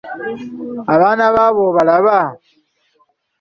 Abaana bo abo obalaba?